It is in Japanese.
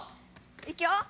いくよ。